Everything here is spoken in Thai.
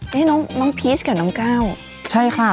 นี่ค่ะน้องพีชกับน้องก้าวเข้ามาคู่นี้นะครับใช่ค่ะ